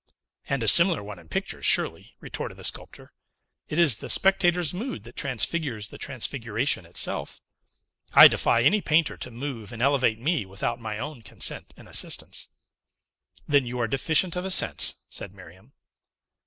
"And a similar one in pictures, surely," retorted the sculptor. "It is the spectator's mood that transfigures the Transfiguration itself. I defy any painter to move and elevate me without my own consent and assistance." "Then you are deficient of a sense," said Miriam.